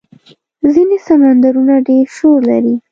ځینې سمندرونه ډېر شور لري.